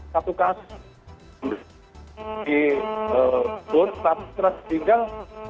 satu kasus dikubur tapi terasa tinggal